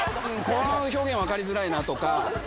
この表現分かりづらいなとか。